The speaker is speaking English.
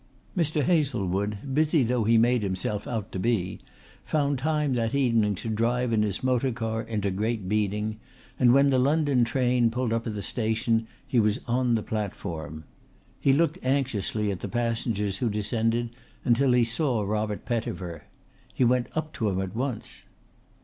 Mr. Hazelwood, busy though he made himself out to be, found time that evening to drive in his motor car into Great Beeding, and when the London train pulled up at the station he was on the platform. He looked anxiously at the passengers who descended until he saw Robert Pettifer. He went up to him at once.